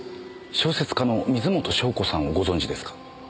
小説家の水元湘子さんをご存じですか？